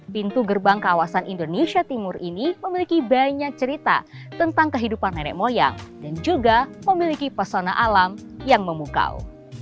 pintu gerbang kawasan indonesia timur ini memiliki banyak cerita tentang kehidupan nenek moyang dan juga memiliki pesona alam yang memukau